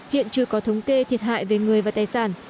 hiện chưa có thống kê thiệt hại về người và tài sản